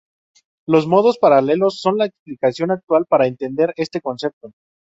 Los modos paralelos son la explicación actual para entender este concepto.